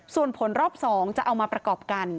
ส่วนผลรอบ๒จะเอามาประกอบกัน